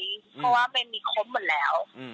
เพราะว่าเบนมีครบหมดแล้ว